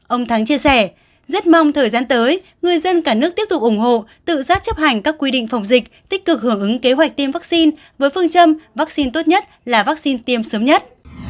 ông thắng chia sẻ rất mong thời gian tới người dân cả nước tiếp tục ủng hộ tự giác chấp hành các quy định phòng dịch tích cực hưởng ứng kế hoạch tiêm vaccine với phương châm vaccine tốt nhất là vaccine tiêm sớm nhất